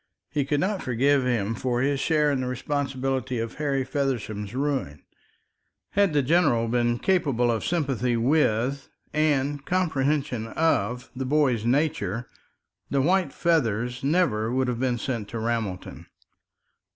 He could not forgive him for his share in the responsibility of Harry Feversham's ruin. Had the general been capable of sympathy with and comprehension of the boy's nature, the white feathers would never have been sent to Ramelton.